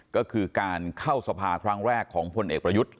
ก็คือการเข้าสภาครั้งแรกของพลเอกประยุทธ์